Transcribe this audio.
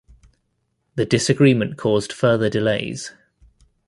The disagreement caused further delays.